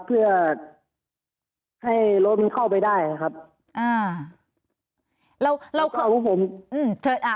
เพื่อให้รถมันเข้าไปได้นะครับอ่าเราเราของผมอืมเชิญอ่า